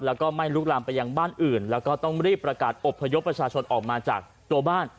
แล้วก็ไม่ลุกลามไปยังบ้านอื่นแล้วก็ต้องรีบประกาศอบพยพประชาชนออกมาจากตัวบ้าน